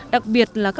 đặc biệt là các bậc chế